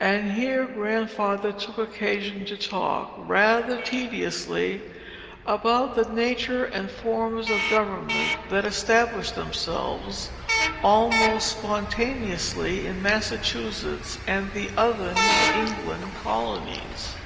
And here Grandfather took occasion to talk, rather tediously, about the nature and forms of government that established themselves, almost spontaneously, in Massachusetts and the other New England colonies.